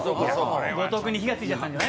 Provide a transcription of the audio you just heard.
後藤君に火がついちゃったんじゃない？